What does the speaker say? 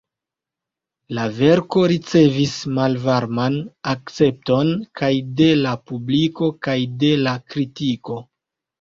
La verko ricevis malvarman akcepton, kaj de la publiko kaj de la kritiko.